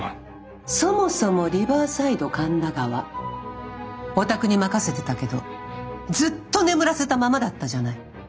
そもそもリバーサイド神田川おたくに任せてたけどずっと眠らせたままだったじゃない。